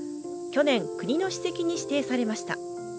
去年、国の史跡に指定されました。